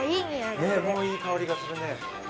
ねえもういい香りがするね。